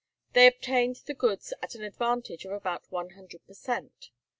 They obtained the goods at an advantage of about one hundred per cent.